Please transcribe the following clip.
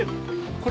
これ。